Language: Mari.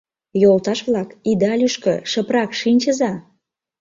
Йолташ-влак, ида лӱшкӧ, шыпрак шинчыза.